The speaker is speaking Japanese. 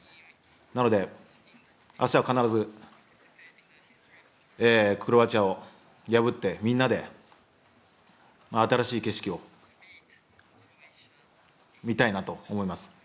なので、あしたは必ずクロアチアを破って、みんなで新しい景色を見たいなと思います。